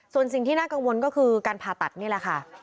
ส่วนสิ่งที่น่ากังวลก็คือการผ่าตัดนี่แหละค่ะ